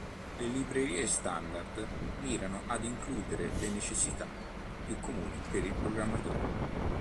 Le librerie standard mirano ad includere le necessità più comuni per il programmatore.